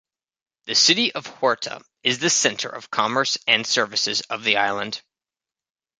The city of Horta is the centre of commerce and services of the island.